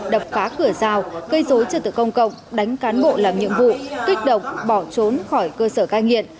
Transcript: đập phá cửa rào gây dối trật tự công cộng đánh cán bộ làm nhiệm vụ kích động bỏ trốn khỏi cơ sở cai nghiện